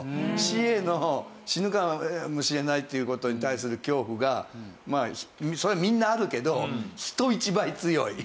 死への死ぬかもしれないっていう事に対する恐怖がそれみんなあるけど人一倍強い。